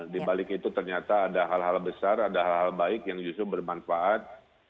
di balik itu ternyata ada hal hal besar ada hal hal baik yang justru bermanfaat